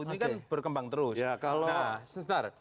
ini kan berkembang terus